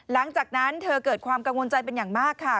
หลังจากนั้นเธอเกิดความกังวลใจเป็นอย่างมากค่ะ